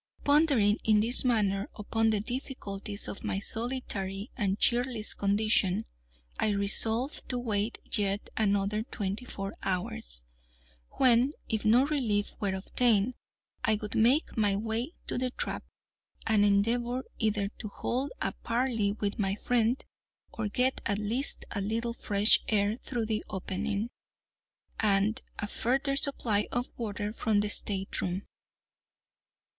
Pondering in this manner upon the difficulties of my solitary and cheerless condition, I resolved to wait yet another twenty four hours, when, if no relief were obtained, I would make my way to the trap, and endeavour either to hold a parley with my friend, or get at least a little fresh air through the opening, and a further supply of water from the stateroom.